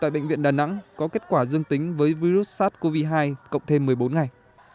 bệnh viện cũng đã có kế hoạch về phong lùng sàng lọc bệnh nhân trở lại